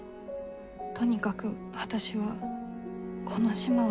とにかく私はこの島を離れたい。